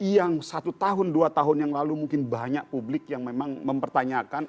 yang satu tahun dua tahun yang lalu mungkin banyak publik yang memang mempertanyakan